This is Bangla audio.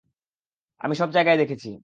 আমি সব জায়গায় দেখেছি।